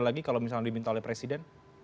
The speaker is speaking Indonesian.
lagi kalau misalnya diminta oleh presiden